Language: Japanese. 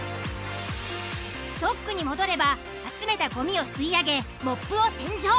ドックに戻れば集めたゴミを吸い上げモップを洗浄。